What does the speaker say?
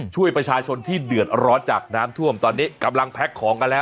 ช่วยประชาชนที่เดือดร้อนจากน้ำท่วมตอนนี้กำลังแพ็คของกันแล้ว